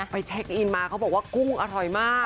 เช็คอินมาเขาบอกว่ากุ้งอร่อยมาก